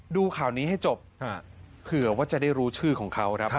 ดูข่าวนี้ให้จบเผื่อว่าจะได้รู้ชื่อของเขาครับ